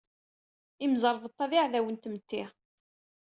Imẓeṛbeṭṭa d iɛdawen n tmetti.